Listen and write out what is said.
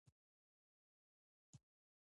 کلاسیکو تاریخي متونو خلج، ترک او افغان یاد کړي.